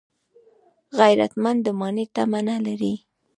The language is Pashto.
غیرتمند د ماڼۍ تمه نه لري